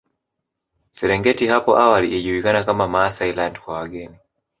Serengeti hapo awali ilijulikana kama Maasailand kwa wageni